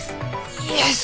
イエス！